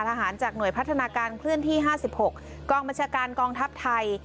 ทหารจากหน่วยพัฒนาการเคลื่อนที่๕๖กองบัญชาการกองทัพไทย